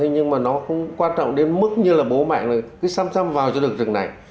nhưng mà nó không quan trọng đến mức như là bố mẹ nó cứ xăm xăm vào cho được trường này